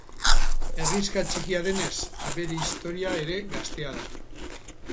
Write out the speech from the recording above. Herrixka txikia denez, bere historia ere gaztea da.